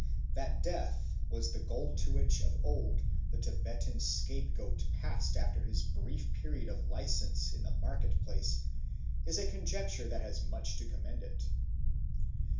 That death was the goal to which of old the Tibetan scapegoat passed after his brief period of licence in the market place, is a conjecture that has much to commend it.